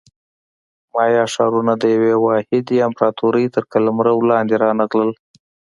مایا ښارونه د یوې واحدې امپراتورۍ تر قلمرو لاندې رانغلل